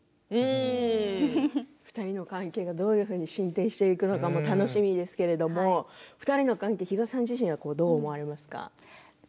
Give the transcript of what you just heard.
２人の関係がどういうふうに進展していくのか楽しみですけど２人の関係、比嘉さん自身どう思われますか。